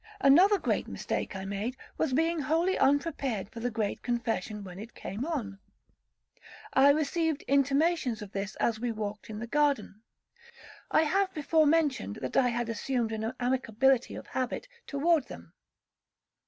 Another great mistake I made, was being wholly unprepared for the great confession when it came on. I received intimations of this as we walked in the garden,—I have before mentioned that I had assumed an amicability of habit toward them.